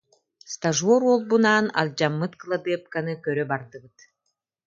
Стажер уолбунаан алдьаммыт кыладыапканы көрө бардыбыт